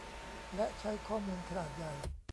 และใช้ข้อมูลขนาดใหญ่